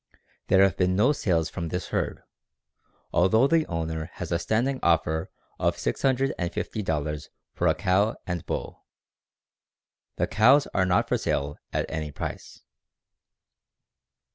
There have been no sales from this herd, although the owner has a standing offer of $650 for a cow and bull. The cows are not for sale at any price."